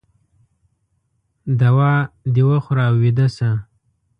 دوا د وخوره او ویده شه